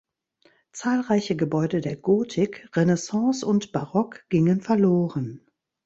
Zahlreiche Gebäude der Gotik, Renaissance und Barock gingen verloren.